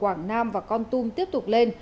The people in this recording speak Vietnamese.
quảng nam và con tum tiếp tục lên